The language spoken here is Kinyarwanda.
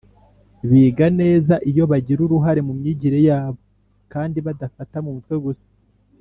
biga neza iyo bagira uruhare mu myigire yabo kandi badafata mu mutwe gusa